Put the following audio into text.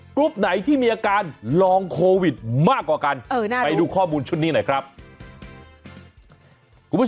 กรุ๊ปไหนที่มีอาการลองโควิดมากกว่ากัน